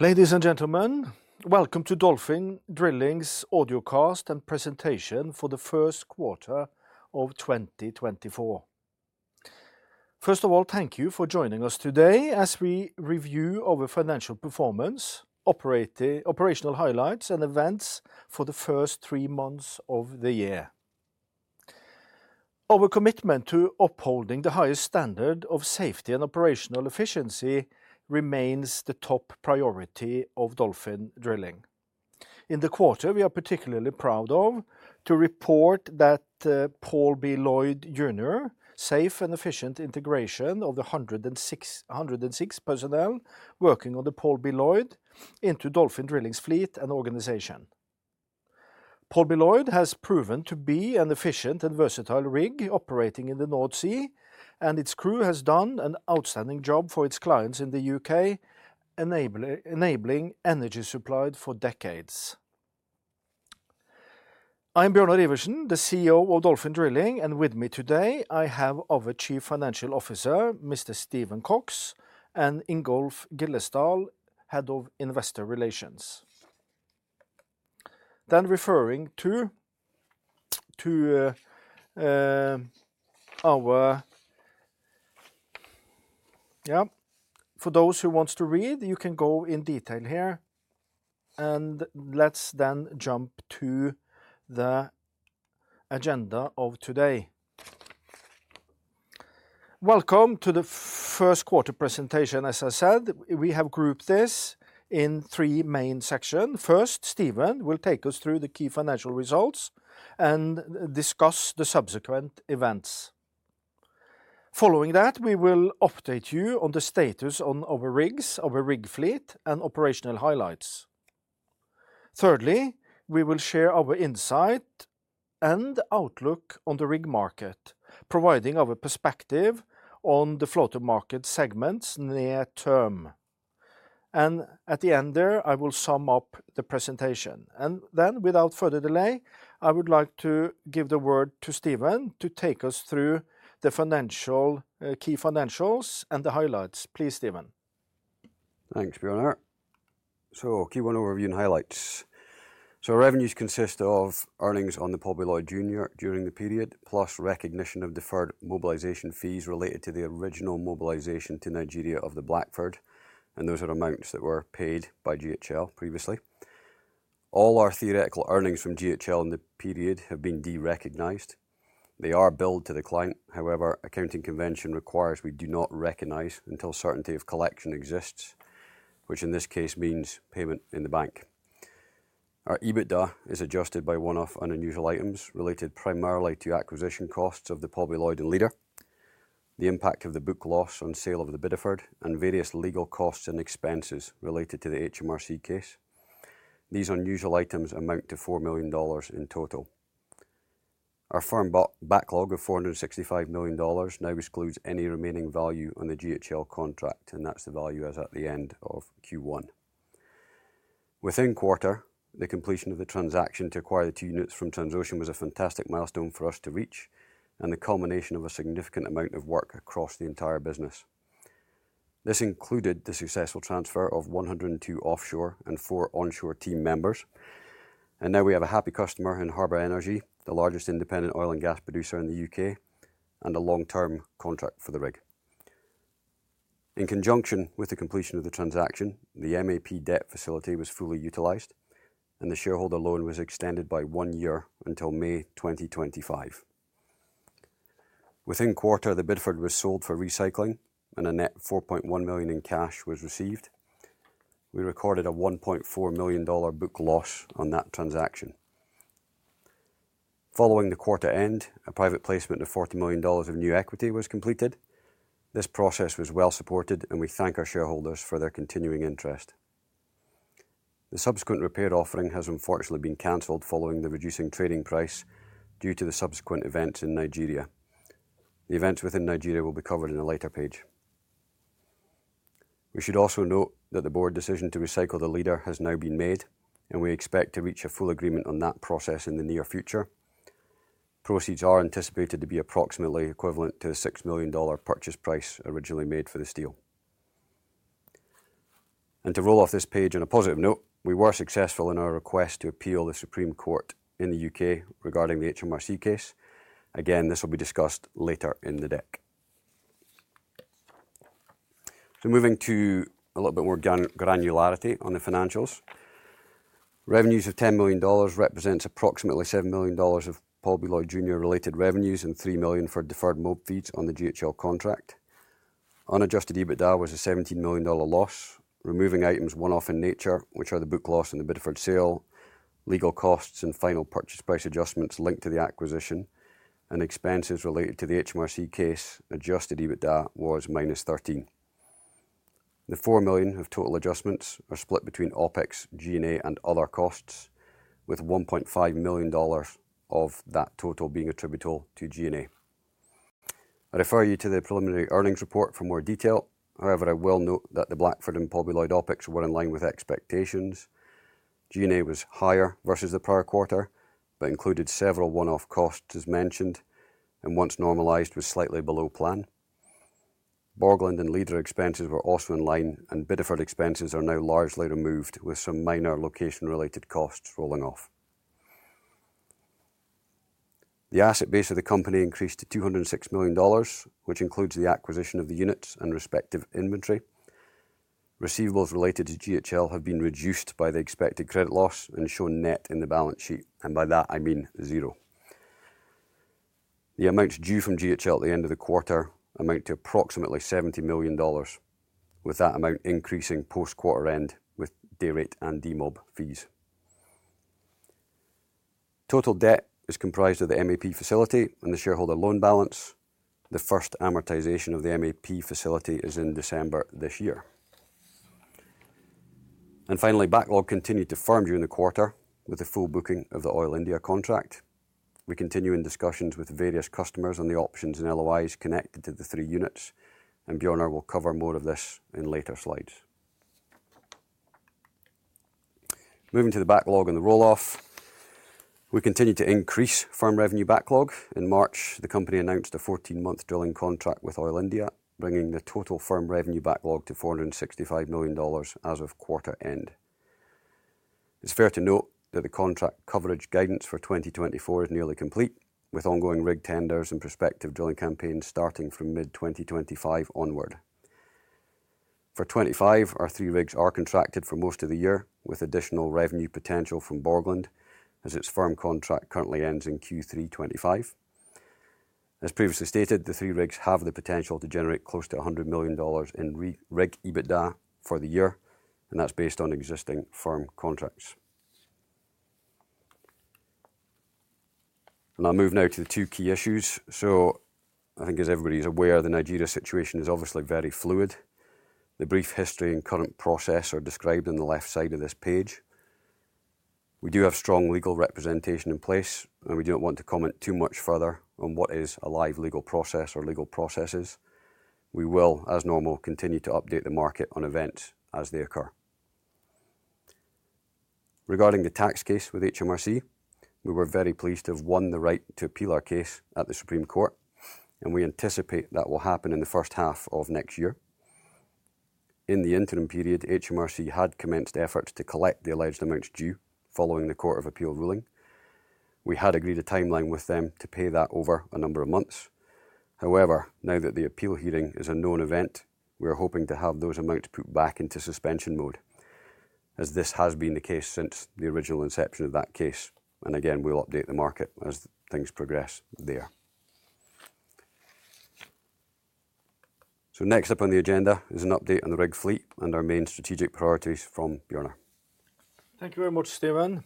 Ladies and gentlemen, welcome to Dolphin Drilling's Audiocast and presentation for the first quarter of 2024. First of all, thank you for joining us today as we review our financial performance, operational highlights, and events for the first three months of the year. Our commitment to upholding the highest standard of safety and operational efficiency remains the top priority of Dolphin Drilling. In the quarter, we are particularly proud of to report that Paul B. Loyd, Jr., safe and efficient integration of the 106, 106 personnel working on the Paul B. Loyd, Jr. into Dolphin Drilling's fleet and organization. Paul B. Loyd, Jr. has proven to be an efficient and versatile rig operating in the North Sea, and its crew has done an outstanding job for its clients in the UK, enabling, enabling energy supplied for decades. I'm Bjørnar Iversen, the CEO of Dolphin Drilling, and with me today I have our Chief Financial Officer, Mr. Stephen Cox, and Ingolf Gillesdal, Head of Investor Relations. For those who wants to read, you can go in detail here, and let's then jump to the agenda of today. Welcome to the first quarter presentation. As I said, we have grouped this in three main sections. First, Stephen will take us through the key financial results and discuss the subsequent events. Following that, we will update you on the status on our rigs, our rig fleet, and operational highlights. Thirdly, we will share our insight and outlook on the rig market, providing our perspective on the floater market segments near term. And at the end there, I will sum up the presentation. And then, without further delay, I would like to give the word to Stephen to take us through the financial, key financials and the highlights. Please, Stephen. Thanks, Bjørnar. So key one, overview and highlights. So revenues consist of earnings on the Paul B. Loyd, Jr. during the period, plus recognition of deferred mobilization fees related to the original mobilization to Nigeria of the Blackford, and those are amounts that were paid by GHL previously. All our theoretical earnings from GHL in the period have been derecognized. They are billed to the client. However, accounting convention requires we do not recognize until certainty of collection exists, which in this case means payment in the bank. Our EBITDA is adjusted by one-off unusual items related primarily to acquisition costs of the Paul B. Loyd and Leader, the impact of the book loss on sale of the Bideford, and various legal costs and expenses related to the HMRC case. These unusual items amount to $4 million in total. Our firm's backlog of $465 million now excludes any remaining value on the GHL contract, and that's the value as at the end of Q1. Within quarter, the completion of the transaction to acquire the two units from Transocean was a fantastic milestone for us to reach and the culmination of a significant amount of work across the entire business. This included the successful transfer of 102 offshore and four onshore team members, and now we have a happy customer in Harbour Energy, the largest independent oil and gas producer in the U.K., and a long-term contract for the rig. In conjunction with the completion of the transaction, the MAP debt facility was fully utilized, and the shareholder loan was extended by one year until May 2025. Within the quarter, the Bideford was sold for recycling, and a net $4.1 million in cash was received. We recorded a $1.4 million book loss on that transaction. Following the quarter end, a private placement of $40 million of new equity was completed. This process was well supported, and we thank our shareholders for their continuing interest. The subsequent rights offering has unfortunately been canceled following the reducing trading price due to the subsequent events in Nigeria. The events within Nigeria will be covered in a later page. We should also note that the board decision to recycle the Leader has now been made, and we expect to reach a full agreement on that process in the near future. Proceeds are anticipated to be approximately equivalent to the $6 million purchase price originally made for the steel. To roll off this page on a positive note, we were successful in our request to appeal the Supreme Court in the U.K. regarding the HMRC case. Again, this will be discussed later in the deck. Moving to a little bit more granularity on the financials. Revenues of $10 million represents approximately $7 million of Paul B. Loyd, Jr. related revenues and $3 million for deferred mobilization fees on the GHL contract. Unadjusted EBITDA was a $17 million loss, removing items one-off in nature, which are the book loss in the Bideford sale, legal costs and final purchase price adjustments linked to the acquisition and expenses related to the HMRC case, adjusted EBITDA was -13. The $4 million of total adjustments are split between OpEx, G&A, and other costs, with $1.5 million of that total being attributable to G&A. I refer you to the preliminary earnings report for more detail. However, I will note that the Blackford and Paul B. Loyd, Jr. OpEx were in line with expectations. G&A was higher versus the prior quarter, but included several one-off costs, as mentioned, and once normalized, was slightly below plan. Borgland and Leader expenses were also in line, and Bideford expenses are now largely removed, with some minor location-related costs rolling off. The asset base of the company increased to $206 million, which includes the acquisition of the units and respective inventory. Receivables related to GHL have been reduced by the expected credit loss and shown net in the balance sheet, and by that I mean zero. The amounts due from GHL at the end of the quarter amount to approximately $70 million, with that amount increasing post-quarter end with dayrate and demob fees. Total debt is comprised of the MAP facility and the shareholder loan balance. The first amortization of the MAP facility is in December this year. And finally, backlog continued to firm during the quarter, with the full booking of the Oil India contract. We continue in discussions with various customers on the options and LOIs connected to the three units, and Bjørnar will cover more of this in later slides. Moving to the backlog and the roll-off, we continue to increase firm revenue backlog. In March, the company announced a 14-month drilling contract with Oil India, bringing the total firm revenue backlog to $465 million as of quarter end. It's fair to note that the contract coverage guidance for 2024 is nearly complete, with ongoing rig tenders and prospective drilling campaigns starting from mid-2025 onward. For 2025, our three rigs are contracted for most of the year, with additional revenue potential from Borgland, as its firm contract currently ends in Q3 2025. As previously stated, the three rigs have the potential to generate close to $100 million in rig EBITDA for the year, and that's based on existing firm contracts. I'll move now to the two key issues. I think as everybody's aware, the Nigeria situation is obviously very fluid. The brief history and current process are described on the left side of this page. We do have strong legal representation in place, and we do not want to comment too much further on what is a live legal process or legal processes. We will, as normal, continue to update the market on events as they occur. Regarding the tax case with HMRC, we were very pleased to have won the right to appeal our case at the Supreme Court, and we anticipate that will happen in the first half of next year. In the interim period, HMRC had commenced efforts to collect the alleged amounts due following the Court of Appeal ruling. We had agreed a timeline with them to pay that over a number of months. However, now that the appeal hearing is a known event, we are hoping to have those amounts put back into suspension mode, as this has been the case since the original inception of that case. Again, we'll update the market as things progress there. Next up on the agenda is an update on the rig fleet and our main strategic priorities from Bjørnar. Thank you very much, Stephen.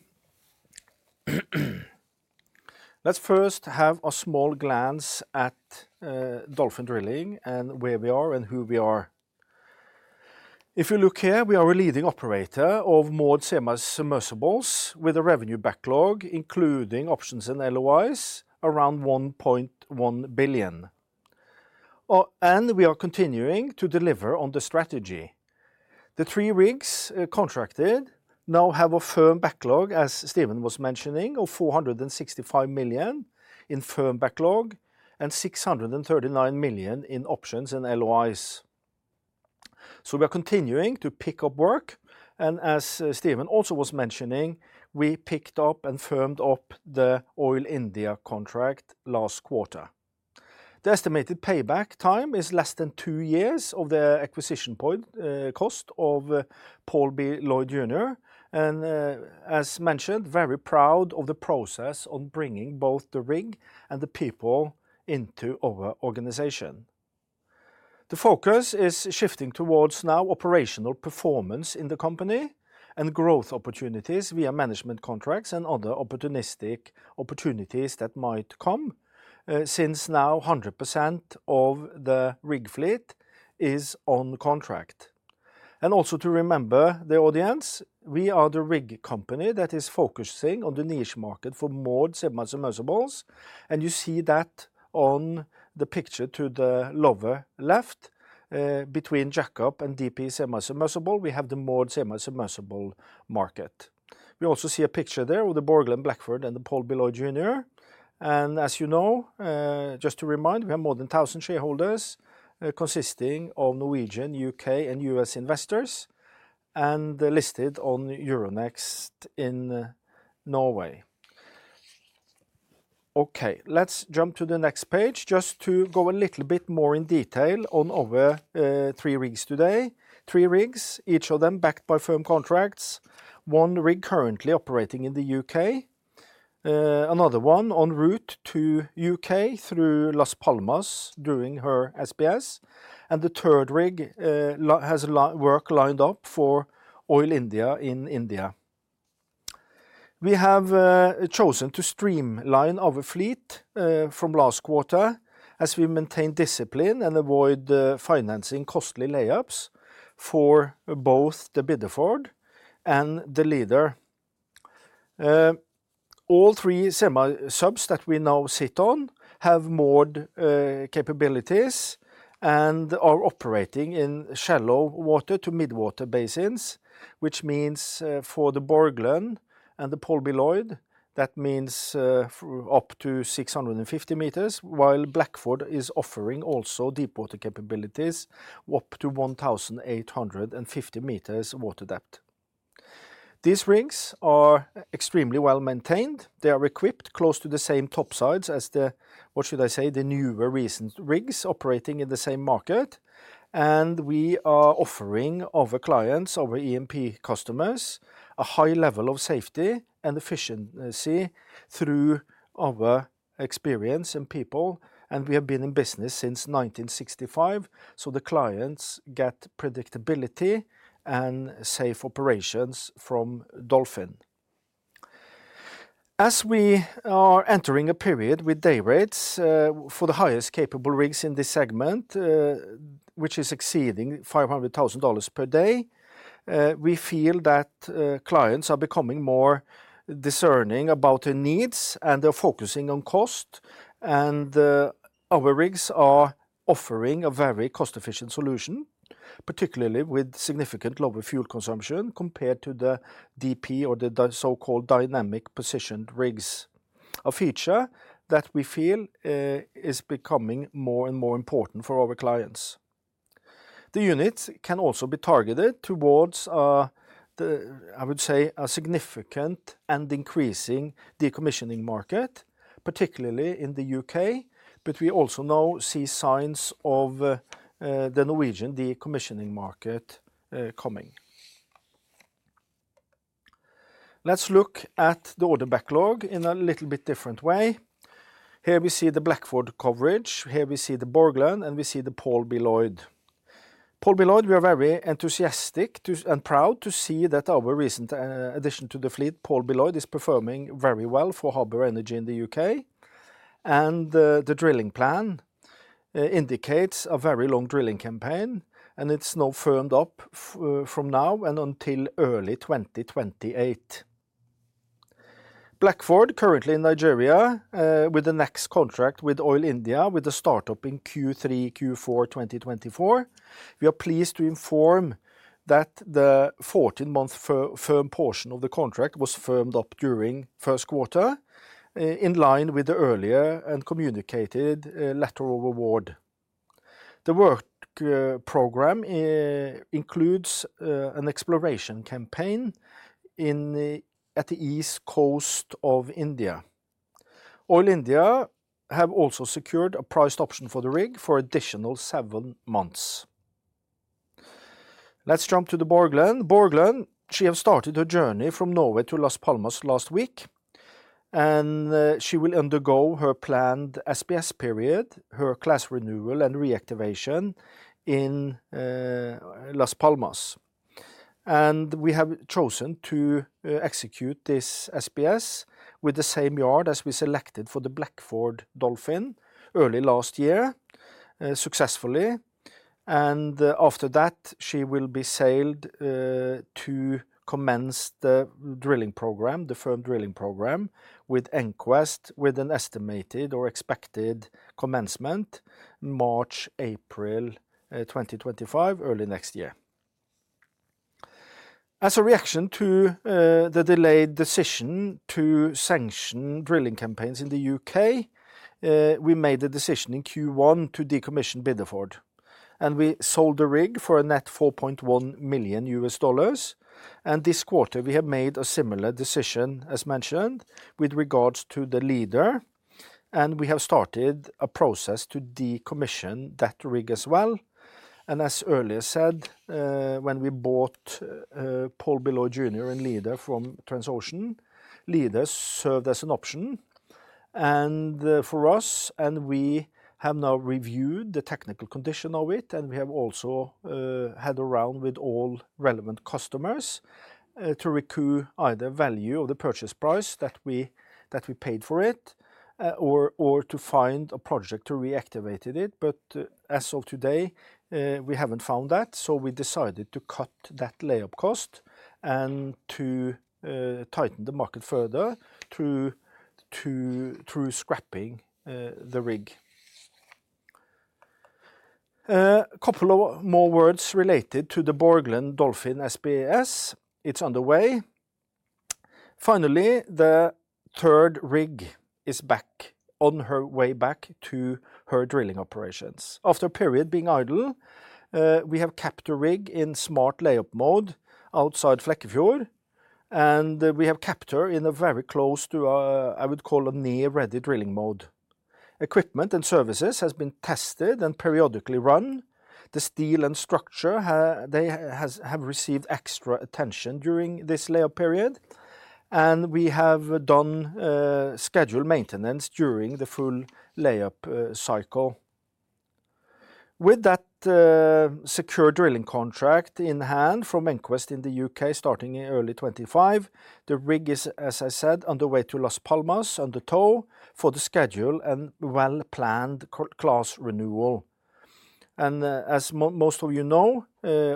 Let's first have a small glance at Dolphin Drilling and where we are and who we are. If you look here, we are a leading operator of mod semi-submersibles with a revenue backlog, including options and LOIs, around $1.1 billion. And we are continuing to deliver on the strategy. The three rigs contracted now have a firm backlog, as Stephen was mentioning, of $465 million in firm backlog and $639 million in options and LOIs. So we are continuing to pick up work, and as Stephen also was mentioning, we picked up and firmed up the Oil India contract last quarter. The estimated payback time is less than two years of the acquisition point cost of Paul B. Loyd, Jr. As mentioned, very proud of the process on bringing both the rig and the people into our organization. The focus is shifting towards now operational performance in the company and growth opportunities via management contracts and other opportunistic opportunities that might come, since now 100% of the rig fleet is on contract. And also to remember, the audience, we are the rig company that is focusing on the niche market for mod semi-submersibles, and you see that on the picture to the lower left. Between jackup and DP semi-submersible, we have the mod semi-submersible market. We also see a picture there with the Borgland, Blackford, and the Paul B. Loyd, Jr. And as you know, just to remind, we have more than 1,000 shareholders, consisting of Norwegian, U.K., and U.S. investors, and listed on Euronext in Norway. Okay, let's jump to the next page, just to go a little bit more in detail on our three rigs today. Three rigs, each of them backed by firm contracts. One rig currently operating in the U.K. Another one en route to U.K. through Las Palmas, doing her SPS. And the third rig has work lined up for Oil India in India. We have chosen to streamline our fleet from last quarter as we maintain discipline and avoid financing costly layups for both the Bideford and the Leader. All three semi-subs that we now sit on have mod capabilities and are operating in shallow water to mid-water basins, which means, for the Borgland and the Paul B. Paul B. Loyd, Jr., that means, for up to 650 meters, while Blackford is offering also deep water capabilities, up to 1,850 meters water depth. These rigs are extremely well-maintained. They are equipped close to the same top sides as the, what should I say, the newer recent rigs operating in the same market, and we are offering our clients, our EMP customers, a high level of safety and efficiency through our experience and people, and we have been in business since 1965, so the clients get predictability and safe operations from Dolphin. As we are entering a period with dayrates for the highest capable rigs in this segment, which is exceeding $500,000 per day, we feel that clients are becoming more discerning about their needs, and they're focusing on cost. Our rigs are offering a very cost-efficient solution, particularly with significant lower fuel consumption compared to the DP or the so-called dynamic positioned rigs, a feature that we feel is becoming more and more important for our clients. The units can also be targeted towards the, I would say, a significant and increasing decommissioning market, particularly in the U.K., but we also now see signs of the Norwegian decommissioning market coming. Let's look at the order backlog in a little bit different way. Here we see the Blackford coverage, here we see the Borgland, and we see the Paul B. Loyd. Paul B. Loyd, we are very enthusiastic and proud to see that our recent addition to the fleet, Paul B. Jr. is performing very well for Harbour Energy in the U.K., and the drilling plan indicates a very long drilling campaign, and it's now firmed up from now and until early 2028. Blackford, currently in Nigeria, with the next contract with Oil India, with the startup in Q3, Q4 2024. We are pleased to inform that the 14-month firm portion of the contract was firmed up during first quarter, in line with the earlier and communicated letter of award. The work program includes an exploration campaign at the East Coast of India. Oil India have also secured a priced option for the rig for additional seven months. Let's jump to the Borgland. Borgland, she has started her journey from Norway to Las Palmas last week, and she will undergo her planned SPS period, her class renewal and reactivation in Las Palmas. We have chosen to execute this SPS with the same yard as we selected for the Blackford Dolphin early last year, successfully. After that, she will be sailed to commence the drilling program, the firm drilling program, with EnQuest, with an estimated or expected commencement March-April 2025, early next year. As a reaction to the delayed decision to sanction drilling campaigns in the U.K., we made the decision in Q1 to decommission Bideford, and we sold the rig for a net $4.1 million. And this quarter, we have made a similar decision, as mentioned, with regards to the Leader, and we have started a process to decommission that rig as well. And as earlier said, when we bought Paul B. Loyd, Jr. and Leader from Transocean, Leader served as an option, and for us, and we have now reviewed the technical condition of it, and we have also had a round with all relevant customers to recoup either value of the purchase price that we paid for it or to find a project to reactivate it. But as of today, we haven't found that, so we decided to cut that layup cost and to tighten the market further through scrapping the rig. A couple of more words related to the Borgland Dolphin SPS. It's underway. Finally, the third rig is back, on her way back to her drilling operations. After a period being idle, we have kept the rig in smart layup mode outside Flekkefjord, and we have kept her in a very close to, I would call a near-ready drilling mode. Equipment and services has been tested and periodically run. The steel and structure have received extra attention during this layup period, and we have done scheduled maintenance during the full layup cycle. With that, secure drilling contract in hand from EnQuest in the U.K. starting in early 2025, the rig is, as I said, on the way to Las Palmas on the tow for the scheduled and well-planned class renewal. As most of you know,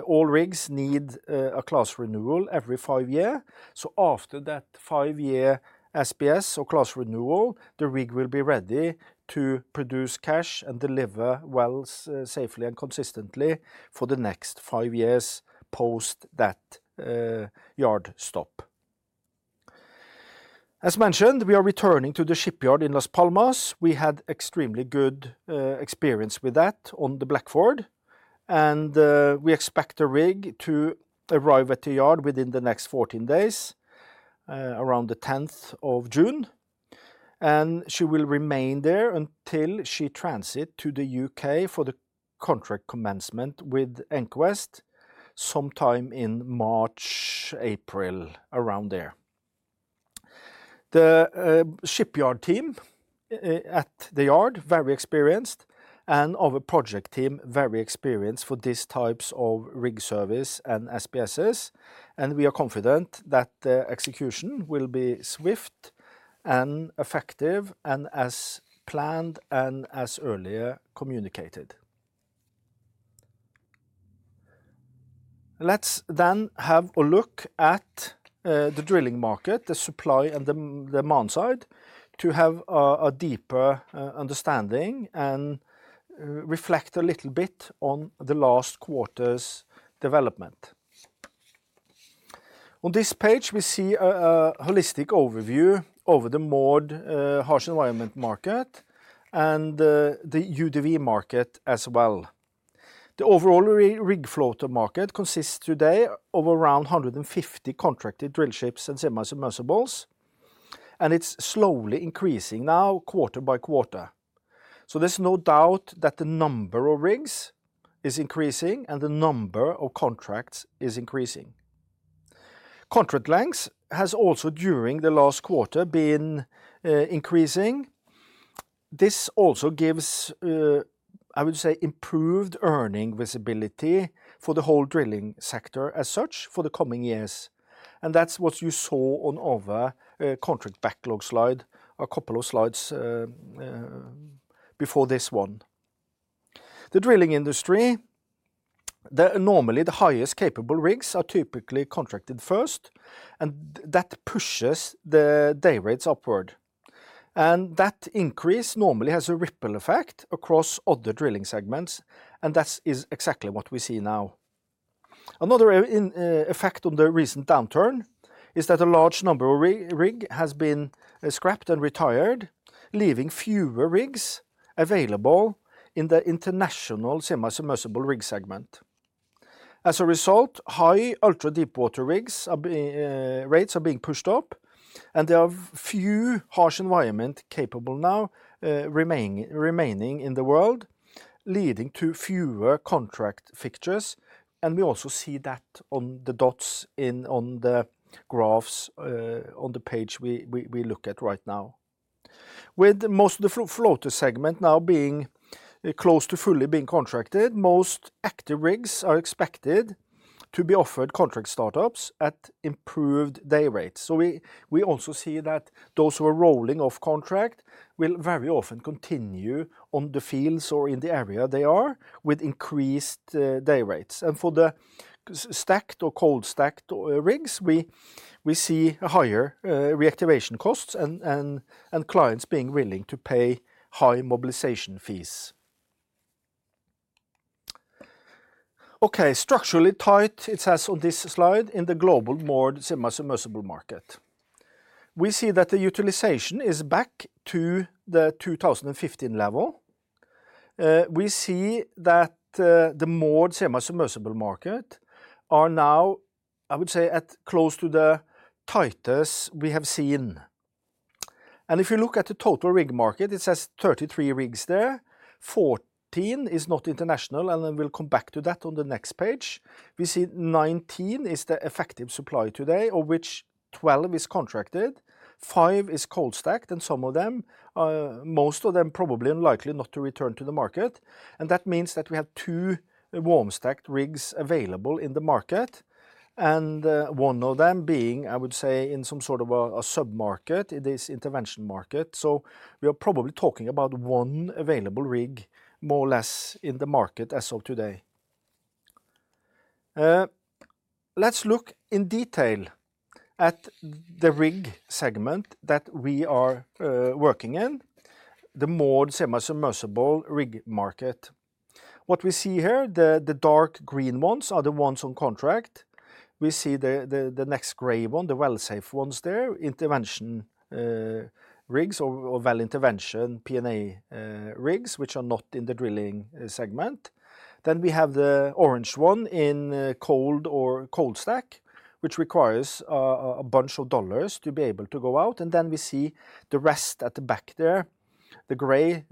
all rigs need a class renewal every five years. So after that five-year SPS or class renewal, the rig will be ready to produce cash and deliver wells safely and consistently for the next five years post that yard stop. As mentioned, we are returning to the shipyard in Las Palmas. We had extremely good experience with that on the Blackford, and we expect the rig to arrive at the yard within the next 14 days, around the tenth of June. And she will remain there until she transit to the UK for the contract commencement with EnQuest, sometime in March, April, around there. The shipyard team at the yard, very experienced, and our project team, very experienced for these types of rig service and SPSs, and we are confident that the execution will be swift and effective, and as planned and as earlier communicated. Let's then have a look at the drilling market, the supply and demand side, to have a deeper understanding and reflect a little bit on the last quarter's development. On this page, we see a holistic overview over the mod harsh environment market and the UDW market as well. The overall rig floater market consists today of around 150 contracted drill ships and semi-submersibles, and it's slowly increasing now, quarter by quarter. So there's no doubt that the number of rigs is increasing and the number of contracts is increasing. Contract lengths has also, during the last quarter, been increasing. This also gives, I would say, improved earning visibility for the whole drilling sector as such for the coming years, and that's what you saw on our contract backlog slide, a couple of slides before this one. The drilling industry. Normally, the highest capable rigs are typically contracted first, and that pushes the day rates upward. That increase normally has a ripple effect across other drilling segments, and that is exactly what we see now. Another effect on the recent downturn is that a large number of rigs has been scrapped and retired, leaving fewer rigs available in the international semi-submersible rig segment. As a result, high ultra deepwater rig rates are being pushed up, and there are few harsh environment capable remaining in the world, leading to fewer contract fixtures. We also see that on the dots on the graphs on the page we look at right now. With most of the floater segment now being close to fully being contracted, most active rigs are expected to be offered contract startups at improved day rates. So we also see that those who are rolling off contract will very often continue on the fields or in the area they are, with increased day rates. And for the stacked or cold-stacked rigs, we see higher reactivation costs and clients being willing to pay high mobilization fees. Okay, structurally tight, it says on this slide, in the global mod semi-submersible market. We see that the utilization is back to the 2015 level. We see that the mod semi-submersible market are now, I would say, at close to the tightest we have seen. If you look at the total rig market, it says 33 rigs there, 14 is not international, and then we'll come back to that on the next page. We see 19 is the effective supply today, of which 12 is contracted, five is cold-stacked, and some of them, most of them probably and likely not to return to the market. And that means that we have two warm-stacked rigs available in the market, and one of them being, I would say, in some sort of a sub-market in this intervention market. So we are probably talking about one available rig, more or less, in the market as of today. Let's look in detail at the rig segment that we are working in, the mod semi-submersible rig market. What we see here, the dark green ones are the ones on contract. We see the next gray one, the Well-Safe ones there, intervention rigs or well intervention P&A rigs, which are not in the drilling segment. Then we have the orange one in cold stack, which requires a bunch of dollars to be able to go out. Then we see the rest at the back there, the gray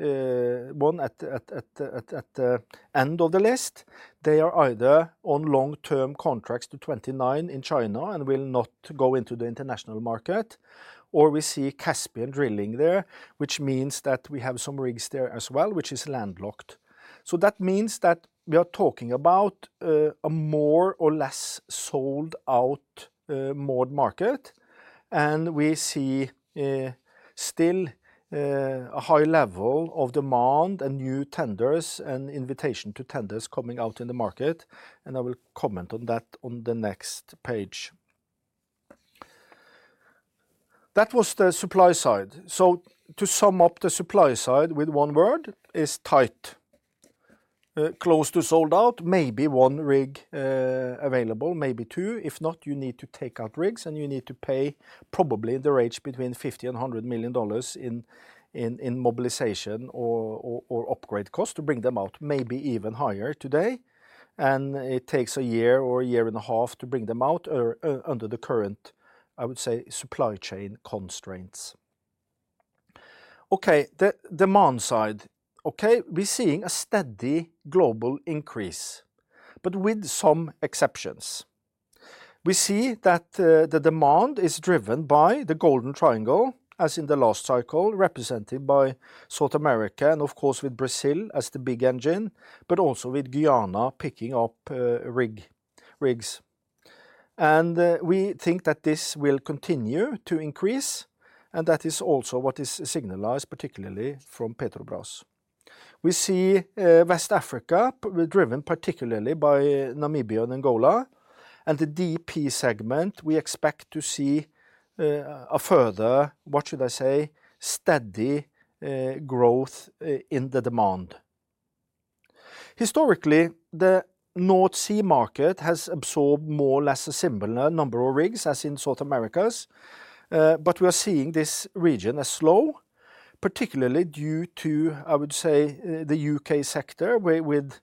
one at the end of the list. They are either on long-term contracts to 2029 in China and will not go into the international market, or we see Caspian Drilling there, which means that we have some rigs there as well, which is landlocked. So that means that we are talking about a more or less sold out mod market, and we see still a high level of demand and new tenders and invitation to tenders coming out in the market, and I will comment on that on the next page. That was the supply side. So to sum up the supply side with one word, is tight, close to sold out, maybe one rig available, maybe two. If not, you need to take out rigs, and you need to pay probably the range between $50 million-$100 million in mobilization or upgrade cost to bring them out, maybe even higher today. And it takes a year or a year and a half to bring them out under the current, I would say, supply chain constraints. Okay, the demand side. Okay, we're seeing a steady global increase, but with some exceptions. We see that, the demand is driven by the Golden Triangle, as in the last cycle, represented by South America and of course, with Brazil as the big engine, but also with Guyana picking up rigs. And, we think that this will continue to increase, and that is also what is signalized, particularly from Petrobras. We see, West Africa driven particularly by Namibia and Angola, and the DP segment, we expect to see, a further, what should I say, steady growth, in the demand. Historically, the North Sea market has absorbed more or less a similar number of rigs as in South Americas. But we are seeing this region as slow, particularly due to, I would say, the U.K. sector, where with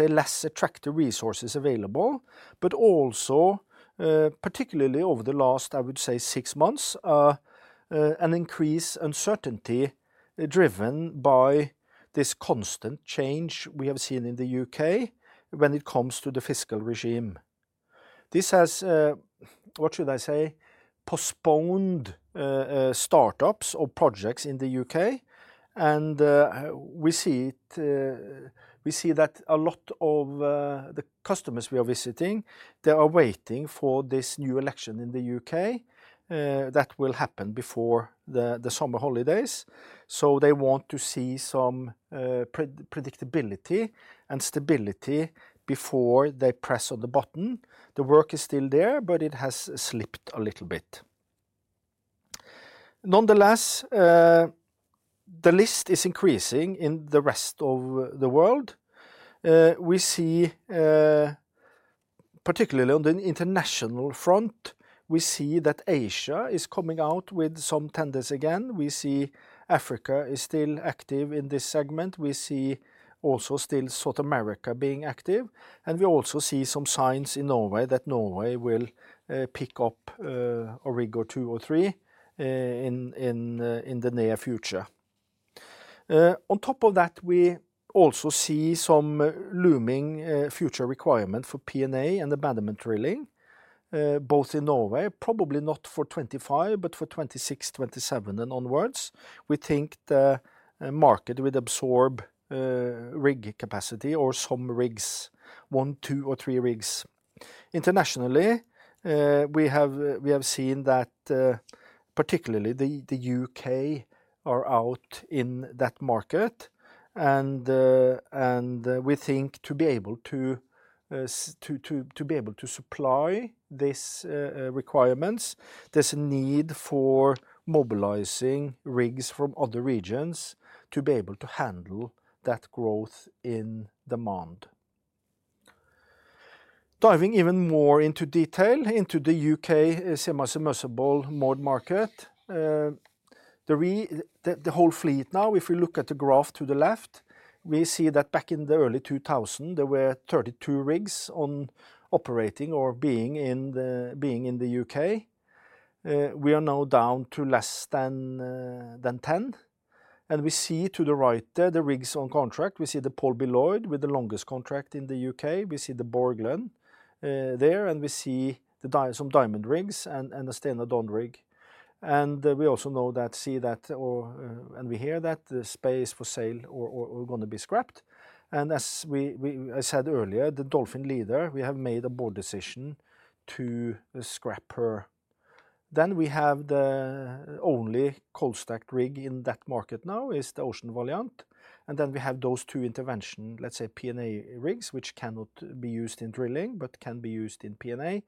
less attractive resources available, but also, particularly over the last, I would say, six months, an increased uncertainty driven by this constant change we have seen in the U.K. when it comes to the fiscal regime. This has postponed startups or projects in the U.K., and we see it. We see that a lot of the customers we are visiting, they are waiting for this new election in the U.K. that will happen before the summer holidays. So they want to see some predictability and stability before they press on the button. The work is still there, but it has slipped a little bit. Nonetheless, the list is increasing in the rest of the world. We see, particularly on the international front, we see that Asia is coming out with some tenders again. We see Africa is still active in this segment. We see also still South America being active, and we also see some signs in Norway that Norway will pick up a rig or two or three in the near future. On top of that, we also see some looming future requirement for P&A and abandonment drilling, both in Norway, probably not for 2025, but for 2026, 2027, and onwards. We think the market would absorb rig capacity or some rigs, one, two, or three rigs. Internationally, we have seen that, particularly the U.K. are out in that market, and we think to be able to supply this requirements, there's a need for mobilizing rigs from other regions to be able to handle that growth in demand. Diving even more into detail into the U.K. semi-submersible mod market, the whole fleet now, if we look at the graph to the left, we see that back in the early 2000, there were 32 rigs on operating or being in the U.K. We are now down to less than 10, and we see to the right there, the rigs on contract. We see the Paul B. Loyd, Jr. with the longest contract in the U.K. We see the Borgland there, and we see some Diamond rigs and the Stena Don rig. And we also know that and we hear that they're for sale or gonna be scrapped. And as I said earlier, the Dolphin Leader, we have made a Board decision to scrap her. Then we have the only cold-stacked rig in that market now is the Ocean Valiant, and then we have those two intervention, let's say, P&A rigs, which cannot be used in drilling, but can be used in P&A,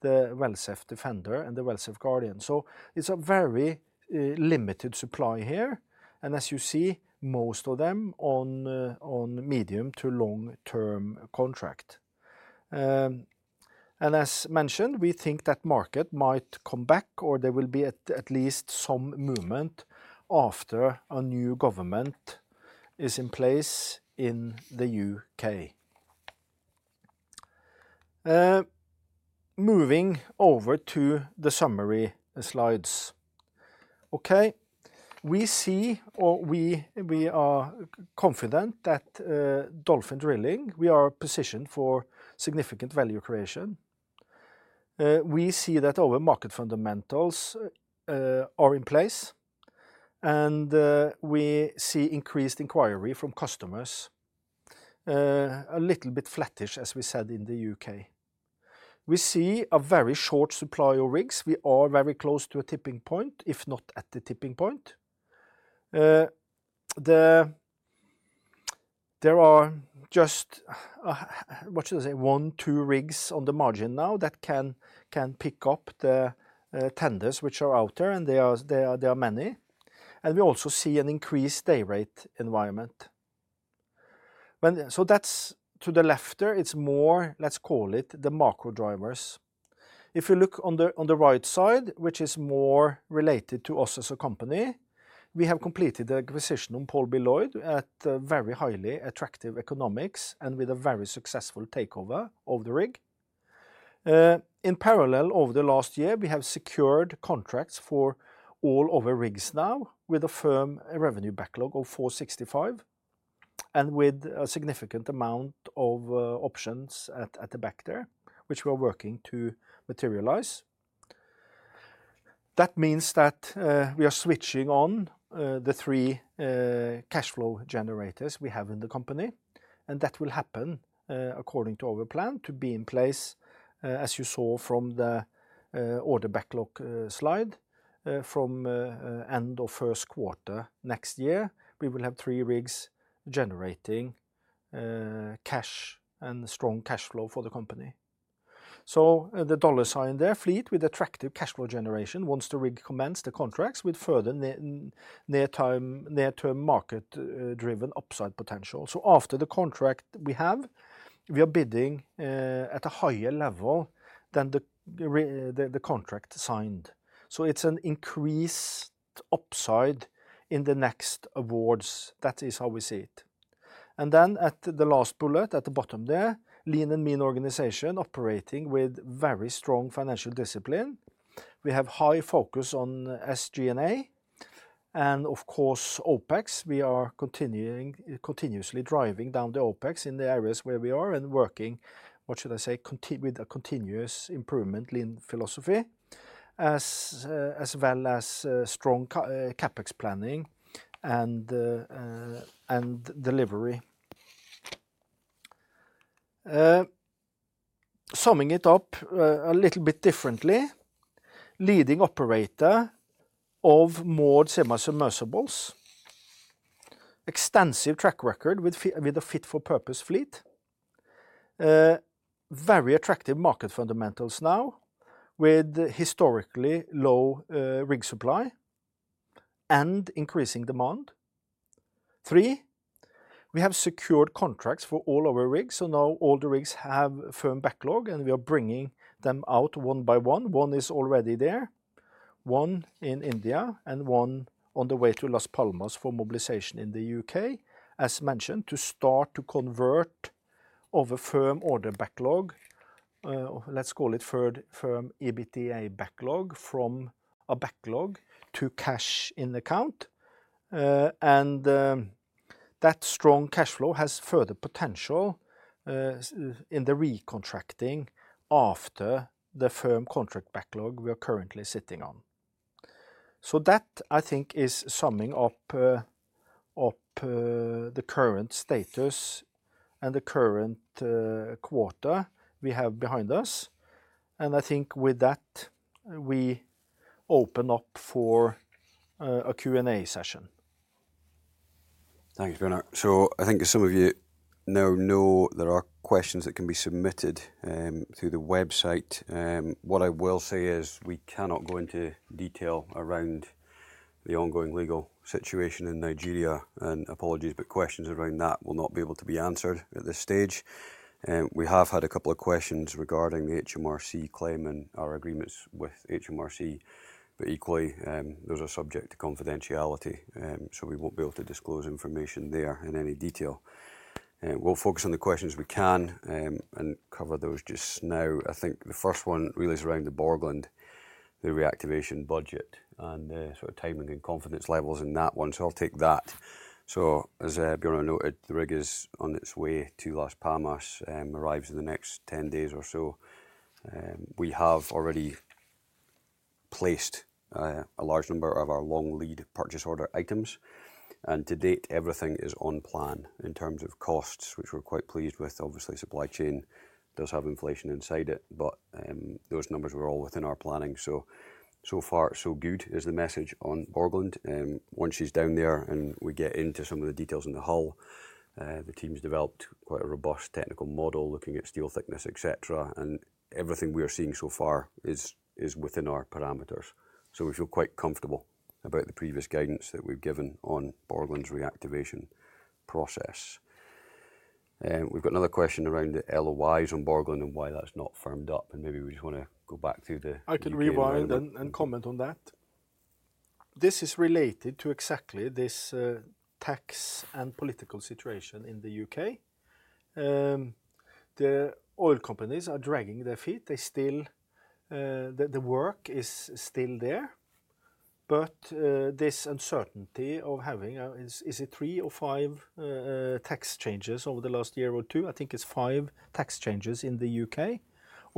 the Well-Safe Defender and the Well-Safe Guardian. So it's a very limited supply here, and as you see, most of them on medium- to long-term contract. And as mentioned, we think that market might come back, or there will be at least some movement after a new government is in place in the U.K. Moving over to the summary slides. Okay. We are confident that Dolphin Drilling, we are positioned for significant value creation. We see that our market fundamentals are in place, and we see increased inquiry from customers, a little bit flattish, as we said, in the U.K. We see a very short supply of rigs. We are very close to a tipping point, if not at the tipping point. There are just what should I say, one, two rigs on the margin now that can pick up the tenders, which are out there, and there are many. and we also see an increased day rate environment. When, so that's to the left there, it's more, let's call it, the macro drivers. If you look on the, on the right side, which is more related to us as a company, we have completed the acquisition on Paul B. Loyd at, very highly attractive economics and with a very successful takeover of the rig. In parallel, over the last year, we have secured contracts for all of our rigs now, with a firm revenue backlog of $465 million, and with a significant amount of, options at, at the back there, which we are working to materialize. That means that, we are switching on, the three, cashflow generators we have in the company, and that will happen, according to our plan, to be in place, as you saw from the, order backlog, slide. From, end of first quarter next year, we will have three rigs generating, cash and strong cashflow for the company. So, the dollar sign there, fleet with attractive cashflow generation once the rig commenced the contracts with further near-term market, driven upside potential. So after the contract we have, we are bidding, at a higher level than the, the contract signed. So it's an increased upside in the next awards. That is how we see it. And then at the last bullet, at the bottom there, lean and mean organization operating with very strong financial discipline. We have high focus on SG&A and, of course, OpEx. We are continuing, continuously driving down the OpEx in the areas where we are and working, what should I say? with a continuous improvement lean philosophy, as well as strong CapEx planning and delivery. Summing it up a little bit differently, leading operator of more semi-submersibles, extensive track record with a fit-for-purpose fleet. Very attractive market fundamentals now, with historically low rig supply and increasing demand. Three, we have secured contracts for all our rigs, so now all the rigs have firm backlog, and we are bringing them out one by one. One is already there, one in India, and one on the way to Las Palmas for mobilization in the U.K. As mentioned, to start to convert of a firm order backlog, let's call it firm, firm EBITDA backlog from a backlog to cash in the account. And that strong cash flow has further potential in the recontracting after the firm contract backlog we are currently sitting on. So that, I think, is summing up the current status and the current quarter we have behind us. And I think with that, we open up for a Q&A session. Thanks, Bjørnar. I think as some of you now know, there are questions that can be submitted through the website. What I will say is we cannot go into detail around the ongoing legal situation in Nigeria, and apologies, but questions around that will not be able to be answered at this stage. We have had a couple of questions regarding the HMRC claim and our agreements with HMRC, but equally, those are subject to confidentiality. We won't be able to disclose information there in any detail. We'll focus on the questions we can and cover those just now. I think the first one really is around the Borgland, the reactivation budget, and sort of timing and confidence levels in that one. I'll take that. So as Bjørnar noted, the rig is on its way to Las Palmas, arrives in the next 10 days or so. We have already placed a large number of our long lead purchase order items, and to date, everything is on plan in terms of costs, which we're quite pleased with. Obviously, supply chain does have inflation inside it, but those numbers were all within our planning. So, so far so good is the message on Borgland. Once she's down there and we get into some of the details in the hull, the team's developed quite a robust technical model, looking at steel thickness, et cetera, and everything we are seeing so far is, is within our parameters. So we feel quite comfortable about the previous guidance that we've given on Borgland's reactivation process. We've got another question around the LOIs on Borgland and why that's not firmed up, and maybe we just wanna go back through the U.K.- I can rewind and comment on that. This is related to exactly this, tax and political situation in the U.K. The oil companies are dragging their feet. They still. The work is still there, but this uncertainty of having a, is it three or five, tax changes over the last year or two? I think it's five tax changes in the U.K.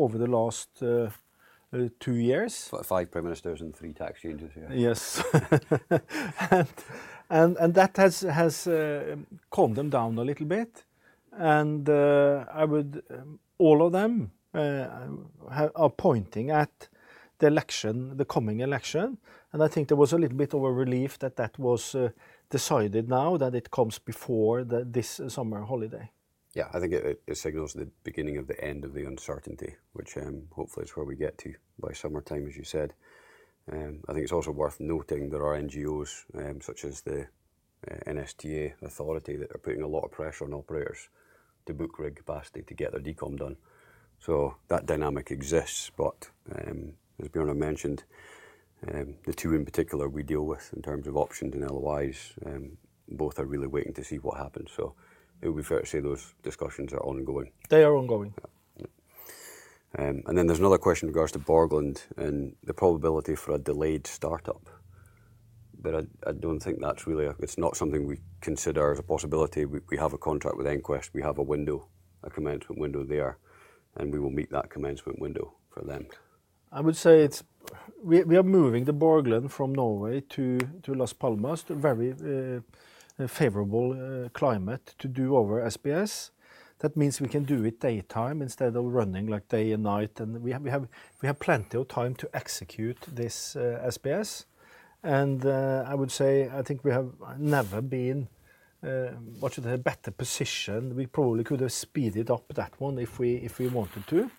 over the last two years. About five prime ministers and three tax changes, yeah. Yes. And that has calmed them down a little bit, and I would... All of them are pointing at the election, the coming election, and I think there was a little bit of a relief that that was decided now, that it comes before this summer holiday. ... Yeah, I think it, it signals the beginning of the end of the uncertainty, which, hopefully is where we get to by summertime, as you said. I think it's also worth noting there are NGOs, such as the NSTA authority, that are putting a lot of pressure on operators to book rig capacity to get their decom done. So that dynamic exists, but, as Bjørnar mentioned, the two in particular we deal with in terms of options and LOIs, both are really waiting to see what happens. So it would be fair to say those discussions are ongoing. They are ongoing. Yeah. Yep. And then there's another question in regards to Borgland and the probability for a delayed startup. But I don't think that's really a-- it's not something we consider as a possibility. We have a contract with EnQuest, we have a window, a commencement window there, and we will meet that commencement window for them. I would say we are moving the Borgland from Norway to Las Palmas, to a very favorable climate to do our SPS. That means we can do it daytime instead of running like day and night, and we have plenty of time to execute this SPS. I would say I think we have never been what is it? A better position. We probably could have speeded up that one if we wanted to.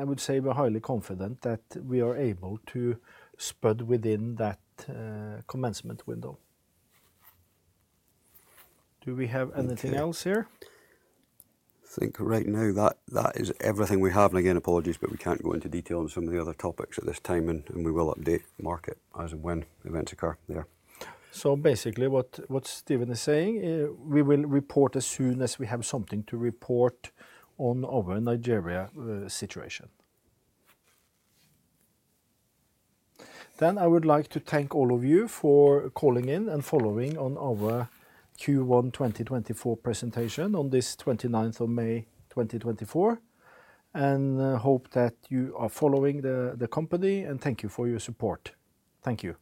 I would say we're highly confident that we are able to spud within that commencement window. Do we have anything else here? I think right now that is everything we have. And again, apologies, but we can't go into detail on some of the other topics at this time, and we will update the market as and when events occur there. So basically, what Steven is saying, we will report as soon as we have something to report on our Nigeria situation. Then I would like to thank all of you for calling in and following on our Q1 2024 presentation on this 29th of May 2024, and hope that you are following the company, and thank you for your support. Thank you.